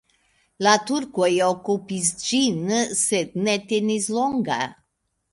La turkoj okupis ĝin, sed ne tenis longa.